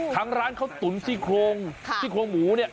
ร้านข้าวตุ๋นซี่โครงซี่โครงหมูเนี่ย